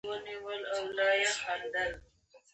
د افغانستان جغرافیه کې چنګلونه ستر اهمیت لري.